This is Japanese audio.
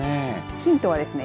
ヒントはですね